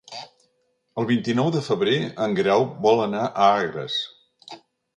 El vint-i-nou de febrer en Guerau vol anar a Agres.